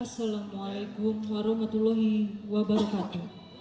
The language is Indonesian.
assalamualaikum warahmatullahi wabarakatuh